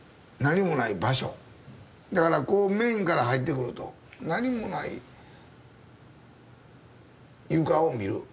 だからこうメインから入ってくると何もない床を見る。